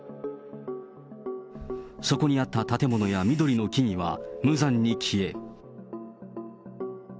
そこにあった建物や緑の木々は無残に消え。